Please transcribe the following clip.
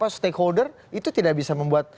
stakeholder itu tidak bisa membuat